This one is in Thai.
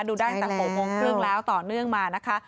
ดูได้ตั้งแต่๖โมงครึ่งแล้วต่อเนื่องมานะคะ